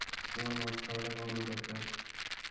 তোমার মদ খাওয়াটা কমানো দরকার।